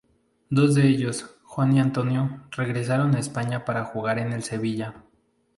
Dos de ellos, Juan y Antonio, regresaron a España para jugar en el Sevilla.